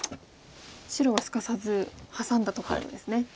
白はすかさずハサんだところですね。